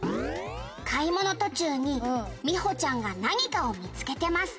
「買い物途中にミホちゃんが何かを見つけてます」